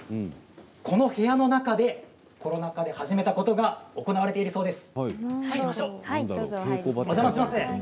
この部屋の中でコロナ禍で始めたことが行われているそうです。